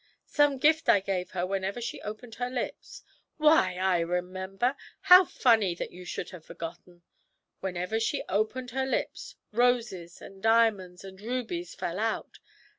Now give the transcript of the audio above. some gift I gave her whenever she opened her lips ' 'Why, I remember how funny that you should have forgotten! Whenever she opened her lips, roses, and diamonds, and rubies fell out.